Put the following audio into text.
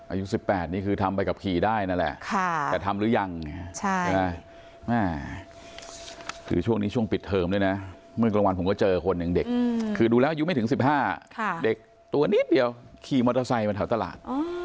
อายุ๑๘นี่คือทำไปกับขี่ได้นั่นแหละแต่ทำหรือยังแม่คือช่วงนี้ช่วงปิดเทอมด้วยนะเมื่อกลางวันผมก็เจอคนหนึ่งเด็กคือดูแล้วอายุไม่ถึง๑๕เด็กตัวนิดเดียวขี่มอเตอร์ไซค์มาแถวตลาด